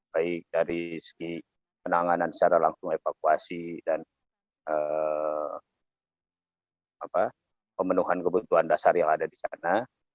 baik dari segi penanganan secara langsung evakuasi dan pemenuhan kebutuhan dasar yang ada di sana